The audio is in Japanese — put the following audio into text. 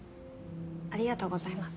ありがとうございます。